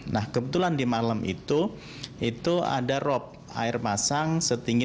nah kebetulan di malam itu itu ada rop air pasang setinggi